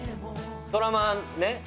ドラマね